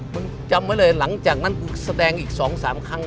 จำไว้เลยหลังจากนั้นกูแสดงอีก๒๓ครั้ง